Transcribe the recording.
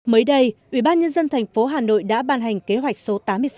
mới đây ủy ban nhân dân thành phố hà nội đã ban hành kế hoạch số tám mươi sáu